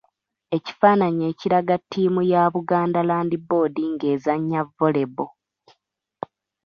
Ekifaananyi ekiraga ttiimu ya Buganda Land Board nga ezannya Volleyball.